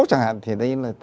chẳng hạn thì đây là